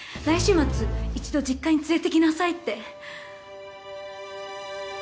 来週末一度実家に連れてきなさいって。